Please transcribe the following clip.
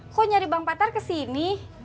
kok nyari bang patar kesini